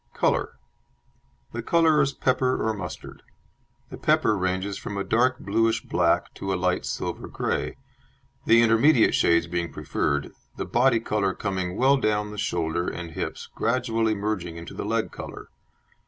COLOUR The colour is pepper or mustard. The pepper ranges from a dark bluish black to a light silver grey, the intermediate shades being preferred, the body colour coming well down the shoulder and hips, gradually merging into the leg colour.